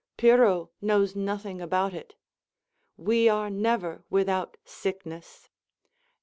Pyrrho knows nothing about it. We are never without sickness.